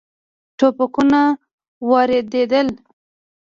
ټوپکونه واردېدل.